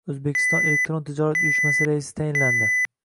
O'zbekiston elektron tijorat uyushmasi raisi tayinlandi